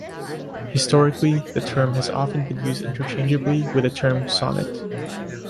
Historically the term has often been used interchangeably with the term 'sonnet'.